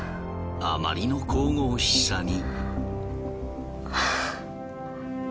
あまりの神々しさに。